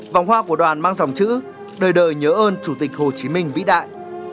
vòng hoa của đoàn mang dòng chữ đời đời nhớ ơn chủ tịch hồ chí minh vĩ đại